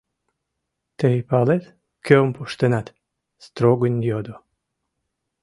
— Тый палет, кӧм пуштынат? — строгын йодо.